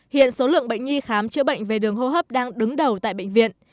hiện số lượng bệnh nhi khám chữa bệnh về đường hô hấp đang đứng đầu tại bệnh viện